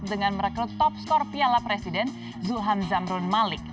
dengan merekrut top skor piala presiden zulham zamrun malik